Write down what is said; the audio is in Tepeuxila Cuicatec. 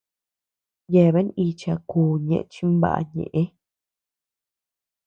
Yeabean icha kú ñeʼe chinbaʼa ñeʼë.